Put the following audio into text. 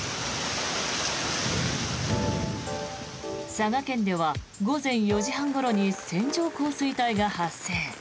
佐賀県では午前４時半ごろに線状降水帯が発生。